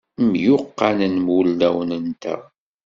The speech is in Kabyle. Myuqqanen wulawen-nteɣ.